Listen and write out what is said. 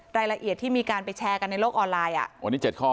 รายละเอียดที่มีการไปแชร์กันในโลกออนไลน์